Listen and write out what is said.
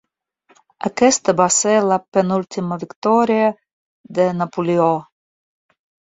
Aquesta va ser la penúltima victòria de Napoleó.